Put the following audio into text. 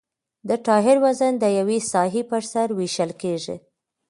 د ټایر وزن د یوې ساحې په سر ویشل کیږي